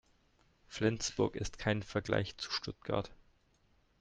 Flensburg ist kein Vergleich zu Stuttgart